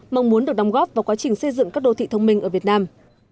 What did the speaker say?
mong muốn được đóng góp vào quá trình xây dựng các đô thị thông minh ở việt nam